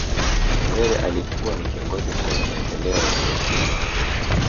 nyerere alikuwa ni kiongozi mpenda maendeleo ya kila mwananchi